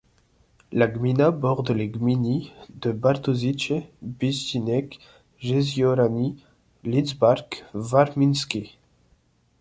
La gmina borde les gminy de Bartoszyce, Bisztynek, Jeziorany et Lidzbark Warmiński.